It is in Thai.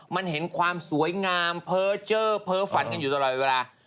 มันเห็นความสวยงามเพ้อเจอร์เพ้อฝันกันอยู่ตลอดเวลา